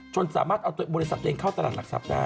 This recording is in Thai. สามารถเอาบริษัทตัวเองเข้าตลาดหลักทรัพย์ได้